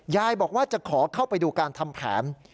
ยายบอกว่าจะขอเข้าไปดูการทำแผน